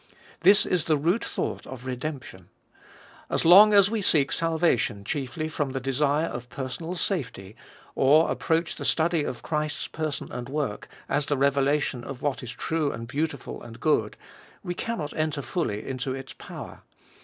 This is the root thought of redemption. As long as we seek salvation chiefly from the desire of personal safety, or approach the study of Christ's person and work as the revelation of what is true and beautiful and good, we cannot enter fully into its power.